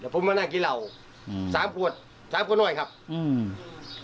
ผมมานั่งกินเหล้าอืมสามขวดสามขวดหน่อยครับอืม